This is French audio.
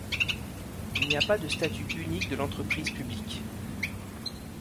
Il n'y a pas de statut unique de l'entreprise publique.